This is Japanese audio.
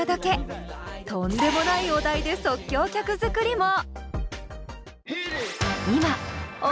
とんでもないお題で即興曲作りも！